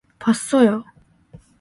봤어요.